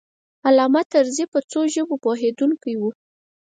علامه طرزی په څو ژبو پوهېدونکی و.